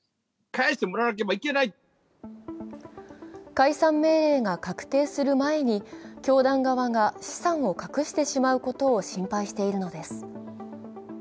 解散命令が確定する間に、教団側が資産を隠してしまうことを心配しているのです。